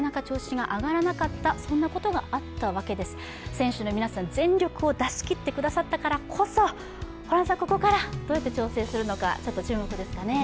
選手の皆さん、全力を出し切ってくれたからこそここからどうやって調整するのか、ちょっと注目ですかね。